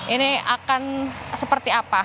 ini akan seperti apa